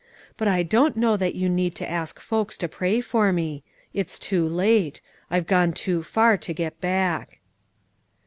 But I don't know that you need ask folks to pray for me; it's too late, I've gone too far to get back."